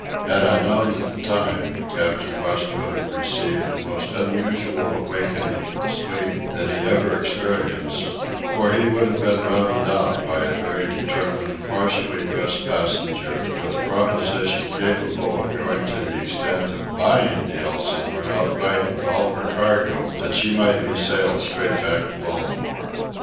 Had I known at the time, Captain West would have received the most unusual awakening from sleep that he ever experienced; for he would have been routed out by a very determined, partially dressed passenger with a proposition capable of going to the extent of buying the Elsinore outright with all her cargo, so that she might be sailed straight back to Baltimore.